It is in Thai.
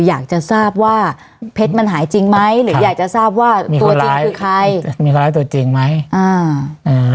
อยากจะทราบว่าเพชรมันหายจริงไหมหรืออยากจะทราบว่าตัวจริงคือใครจะมีคนร้ายตัวจริงไหมอ่าอ่า